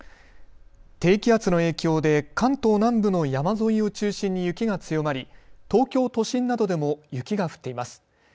低気圧の影響で関東南部の山沿いを中心に雪が強まり東京都心などでも雪が降っています。